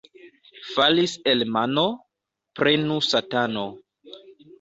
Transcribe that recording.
Falis el mano — prenu satano.